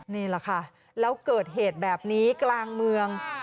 นี่แหละค่ะแล้วเกิดเหตุแบบนี้กลางเมือง